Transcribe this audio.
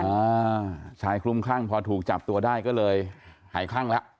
อ่าชายคลุมคลั่งพอถูกจับตัวได้ก็เลยหายคลั่งแล้ว